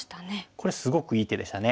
これすごくいい手でしたね。